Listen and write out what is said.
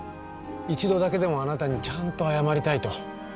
一度だけでもあなたにちゃんと謝りたいと。